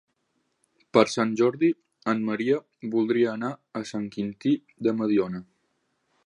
Per Sant Jordi en Maria voldria anar a Sant Quintí de Mediona.